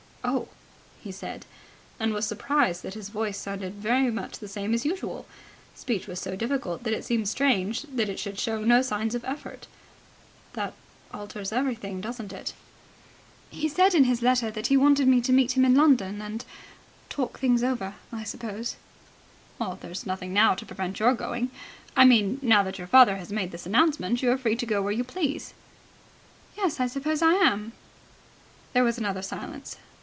"Oh!" he said, and was surprised that his voice sounded very much the same as usual. Speech was so difficult that it seemed strange that it should show no signs of effort. "That alters everything, doesn't it." "He said in his letter that he wanted me to meet him in London and talk things over, I suppose." "There's nothing now to prevent your going. I mean, now that your father has made this announcement, you are free to go where you please." "Yes, I suppose I am." There was another silence.